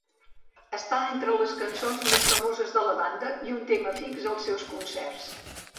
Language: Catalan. Està entre les cançons més famoses de la banda i un tema fix als seus concerts.